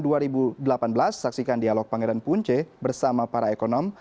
lalu dengan dua ribu delapan belas saksikan dialog pangeran punce bersama para ekonom